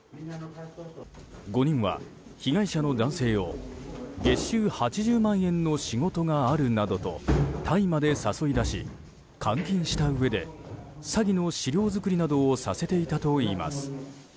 ５人は被害者の男性を月収８０万円の仕事があるなどとタイまで誘い出し監禁したうえで詐欺の資料作りなどをさせていたといいます。